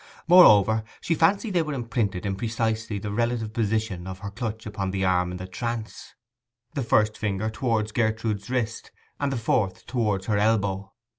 Moreover, she fancied that they were imprinted in precisely the relative position of her clutch upon the arm in the trance; the first finger towards Gertrude's wrist, and the fourth towards her elbow.